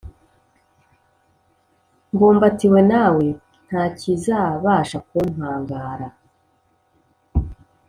Mbumbatiwe nawe ntakizabasha kumpangara